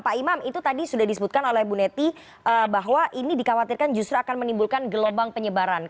pak imam itu tadi sudah disebutkan oleh bu neti bahwa ini dikhawatirkan justru akan menimbulkan gelombang penyebaran